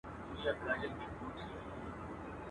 چي عطار دوکان ته راغی ډېر خپه سو.